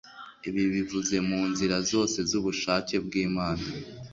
ibi bivuze mu nzira zose z'ubushake bw'Imana.